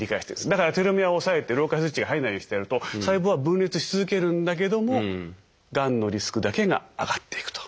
だからテロメアを抑えて老化スイッチが入んないようにしてやると細胞は分裂し続けるんだけどもがんのリスクだけが上がっていくと。